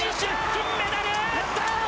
金メダル！